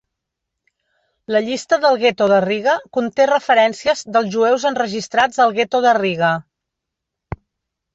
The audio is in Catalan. La llista del gueto de Riga conté referències dels jueus enregistrats al gueto de Riga.